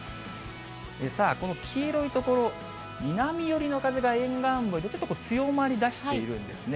さあ、この黄色い所、南寄りの風が沿岸部でちょっと強まりだしているんですね。